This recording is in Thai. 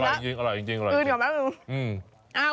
อร่อยจริงคุณผู้ชมขึ้นก่อนแบบนึง